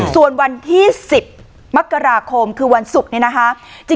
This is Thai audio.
ส่วนวันที่๑๐มกราคมคือวันศุกร์นี้นะคะ